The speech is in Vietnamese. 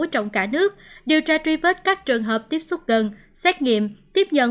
trong cả nước điều tra truy vết các trường hợp tiếp xúc gần xét nghiệm tiếp nhận